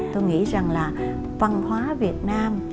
tôi nghĩ rằng là văn hóa việt nam